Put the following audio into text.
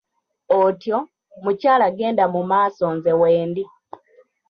Otyo, mukyala genda mu maaso nze wendi.